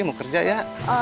mau kerja ya